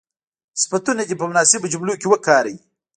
صفتونه دې په مناسبو جملو کې وکاروي.